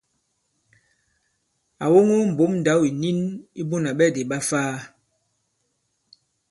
À woŋo mbǒm ndǎw ìnin i Bunà Ɓɛdì ɓa Ifaa.